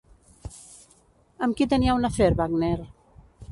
Amb qui tenia un afer Wagner?